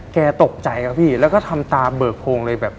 แกตกใจครับพี่แล้วก็ทำตาเบิกโพงเลยแบบ